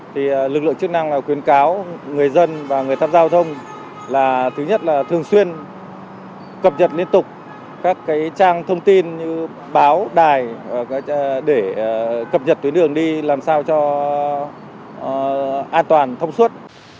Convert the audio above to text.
thì lực lượng chức năng khuyến cáo người dân và người tham gia giao thông là thứ nhất là thường xuyên cập nhật liên tục các trang thông tin như báo đài để cập nhật tuyến đường đi làm sao cho an toàn thông suốt